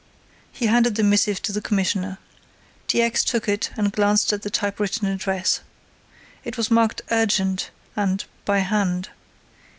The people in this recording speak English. He handed the missive to the Commissioner. T. X. took it and glanced at the typewritten address. It was marked "urgent" and "by hand."